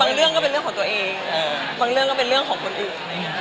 บางเรื่องก็เป็นเรื่องของตัวเองบางเรื่องก็เป็นเรื่องของคนอื่น